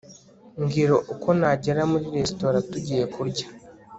mbwira uko nagera muri resitora tugiye kurya